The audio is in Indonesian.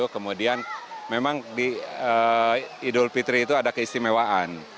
kemudian memang di idul fitri itu ada keistimewaan